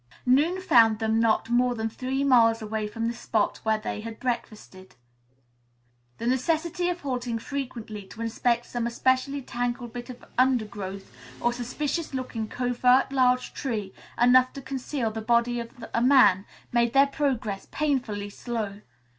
Noon found them not more than three miles away from the spot where they had breakfasted. The necessity of halting frequently to inspect some especially tangled bit of undergrowth or suspicious looking covert large enough to conceal the body of a man, made their progress painfully slow.